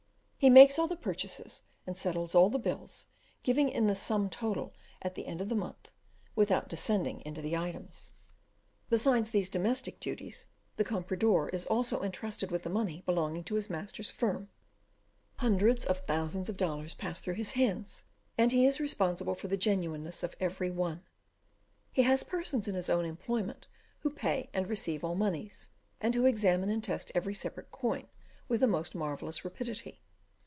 He makes all the purchases, and settles all the bills, giving in the sum total at the end of the month, without descending into the items. Besides these domestic duties, the comprador is also entrusted with the money belonging to his master's firm; hundreds of thousands of dollars pass through his hands, and he is responsible for the genuineness of every one. He has persons in his own employment who pay and receive all monies, and who examine and test every separate coin with the most marvellous rapidity.